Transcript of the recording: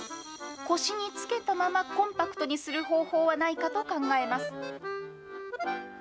腰につけたままコンパクトにする方法はないかと考えます。